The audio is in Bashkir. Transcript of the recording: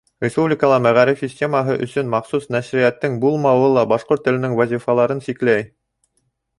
Республикала мәғариф системаһы өсөн махсус нәшриәттең булмауы ла башҡорт теленең вазифаларын сикләй.